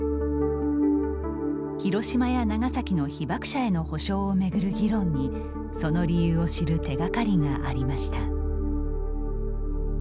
広島や長崎の被爆者への補償を巡る議論にその理由を知る手がかりがありました。